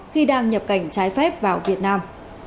khi đang nhập cảnh trái phép vào việt nam